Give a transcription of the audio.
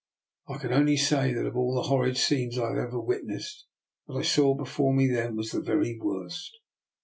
I can only say that of all the horrid scenes I have ever witnessed, that I saw before me then was the very worst.